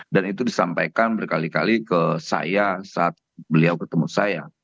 dan itu disampaikan berkali kali ke saya saat beliau ketemu saya